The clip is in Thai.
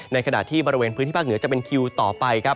ในขณะที่บริเวณพื้นที่ภาคเหนือจะเป็นคิวต่อไปครับ